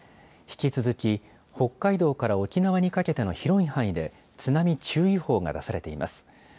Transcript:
引き続き北海道から沖縄にかけての広い範囲で、津波注意報が出されています。